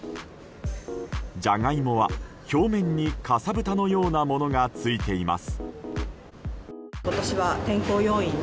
ジャガイモは表面にかさぶたのようなものがついています。